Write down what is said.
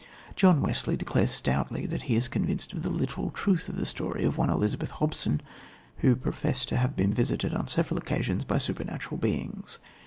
John Wesley declares stoutly that he is convinced of the literal truth of the story of one Elizabeth Hobson, who professed to have been visited on several occasions by supernatural beings.